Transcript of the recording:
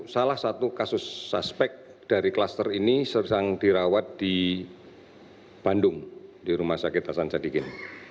salah satu kasus suspek dari klaster ini sedang dirawat di bandung di rumah sakit hasan sadikin